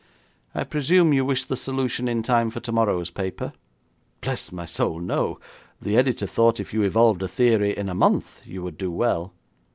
'I presume you wish the solution in time for tomorrow's paper?' 'Bless my soul, no. The editor thought if you evolved a theory in a month you would do well.'